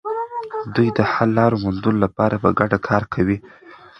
دوی د حل لارو موندلو لپاره په ګډه کار کوي.